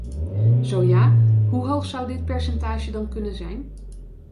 Zo ja, hoe hoog zou dit percentage dan kunnen zijn?